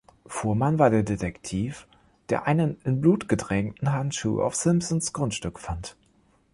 Fuhrman war der Detektiv, der einen in Blut getränkten Handschuh auf Simpsons Grundstück fand.